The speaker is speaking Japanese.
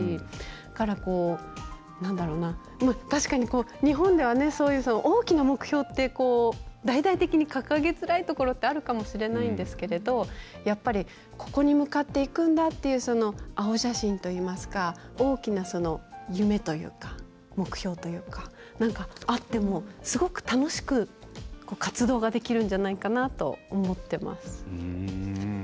だから、確かに日本ではそういう大きな目標って大々的に掲げづらいところってあるかもしれないんですけれどやっぱり、ここに向かっていくんだっていう青写真といいますか大きな夢というか目標というかあっても、すごく楽しく活動ができるんじゃないかなと思ってます。